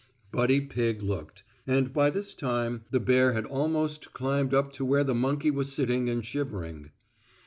Buddy Pigg looked, and by this time the bear had almost climbed up to where the monkey was sitting and shivering.